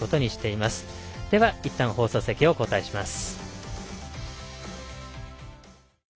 いったん、放送席を交代します。